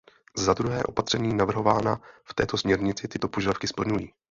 Za druhé, opatření navrhovaná v této směrnici tyto požadavky splňují.